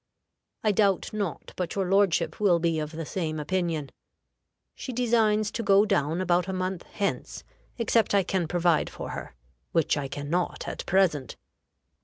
I doubt not but your lordship will be of the same opinion. She designs to go down about a month hence except I can provide for her, which I can not at present.